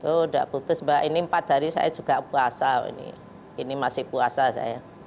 oh sudah putus mbak ini empat hari saya juga puasa ini ini masih puasa saya